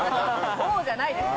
「お！」じゃないですよ。